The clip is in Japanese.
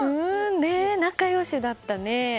仲良しだったね。